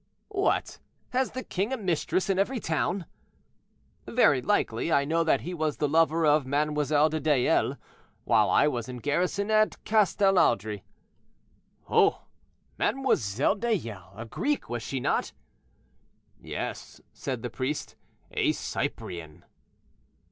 "What! has the king a mistress in every town?" "Very likely; I know that he was the lover of Mlle. de Dayelle, while I was in garrison at Castelnaudry." "Oh! Mlle. Dayelle, a Greek, was she not?" "Yes," said the priest; "a Cyprian."